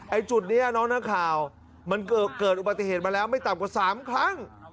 ไอ้จุดเนี้ยน้องหน้าข่าวมันเกิดเกิดอุบัติเหตุมาแล้วไม่ต่ำกว่าสามครั้ง